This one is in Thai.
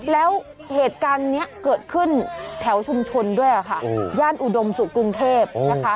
แล้วเหตุการณ์นี้เกิดขึ้นแถวชุมชนด้วยค่ะย่านอุดมศุกร์กรุงเทพนะคะ